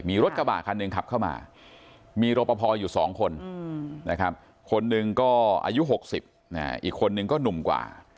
มีรถกระบะคันหนึ่งขับเข้ามามีรปภอยู่๒คนนะครับคนหนึ่งก็อายุ๖๐อีกคนนึงก็หนุ่มกว่า